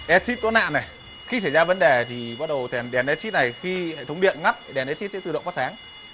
exit thoát nạn này khi xảy ra vấn đề thì bắt đầu đèn exit này khi hệ thống điện ngắt đèn exit sẽ tự động phát sáng